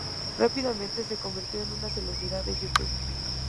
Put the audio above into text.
Rápidamente se convirtió en una celebridad de YouTube.